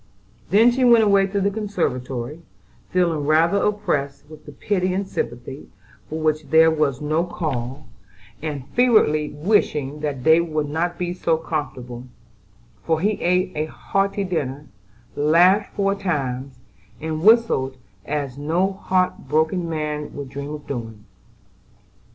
Then she went away to the conservatory, feeling rather oppressed with the pity and sympathy, for which there was no call, and fervently wishing that David would not be so comfortable, for he ate a hearty dinner, laughed four times, and whistled as no heart broken man would dream of doing.